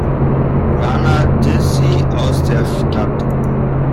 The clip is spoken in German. Runner Dizzy aus der Stadt.